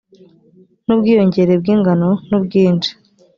n ubwiyongere bw ingano n ubwinshi